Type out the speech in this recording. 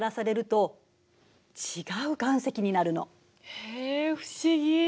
へえ不思議。